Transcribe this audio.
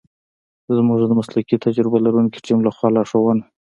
زمونږ د مسلکي تجربه لرونکی تیم لخوا لارښونه